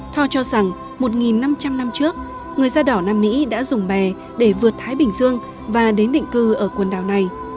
thor cho rằng một năm trăm linh năm trước người da đỏ nam mỹ đã dùng bè để vượt thái bình dương và đến định cư ở quần đảo này